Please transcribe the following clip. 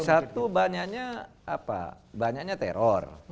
satu banyaknya banyaknya teror